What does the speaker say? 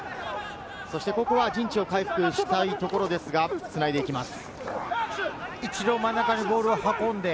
ここは陣地を回復したいところですが、繋いでいきます。